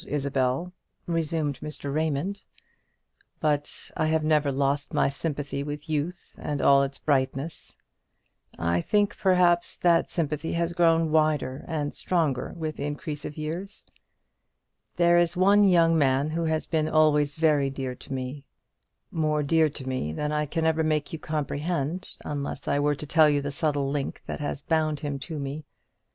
Isabel," resumed Mr. Raymond; "but I have never lost my sympathy with youth and all its brightness. I think, perhaps, that sympathy has grown wider and stronger with increase of years. There is one young man who has been always very dear to me more dear to me than I can ever make you comprehend, unless I were to tell you the subtle link that has bound him to me.